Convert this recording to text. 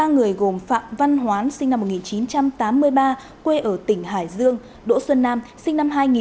ba người gồm phạm văn hoán sinh năm một nghìn chín trăm tám mươi ba quê ở tỉnh hải dương đỗ xuân nam sinh năm hai nghìn